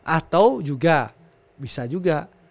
atau juga bisa juga